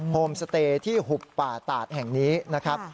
โฮมสเตย์ที่หุบป่าตาดแห่งนี้นะครับ